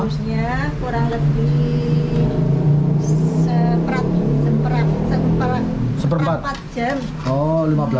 rebusnya kurang lebih seberapa jam